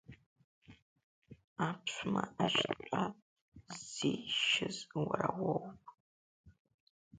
Аԥшәма ашьтәа ззишьыз уара уоуп.